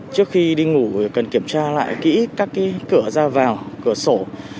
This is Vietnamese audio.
trước khi đi ngủ cần kiểm tra lại kỹ các cửa ra vào cửa sổ